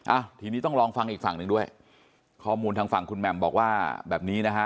อ่ะทีนี้ต้องลองฟังอีกฝั่งหนึ่งด้วยข้อมูลทางฝั่งคุณแหม่มบอกว่าแบบนี้นะฮะ